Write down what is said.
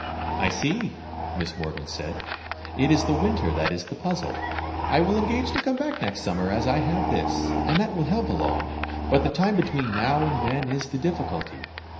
"I see," Miss Morgan said; "it is the winter that is the puzzle. I will engage to come back next summer as I have this, and that will help along; but the time between now and then is the difficulty."